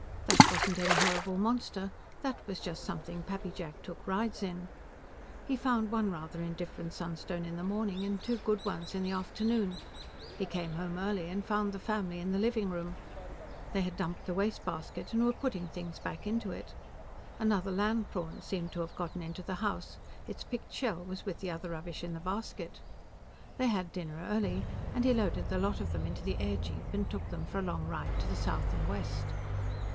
That wasn't any horrible monster, that was just something Pappy Jack took rides in. He found one rather indifferent sunstone in the morning and two good ones in the afternoon. He came home early and found the family in the living room; they had dumped the wastebasket and were putting things back into it. Another land prawn seemed to have gotten into the house; its picked shell was with the other rubbish in the basket. They had dinner early, and he loaded the lot of them into the airjeep and took them for a long ride to the south and west.